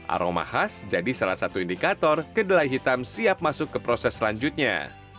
aroma khas jadi salah satu indikator kedelai hitam siap masuk ke proses selanjutnya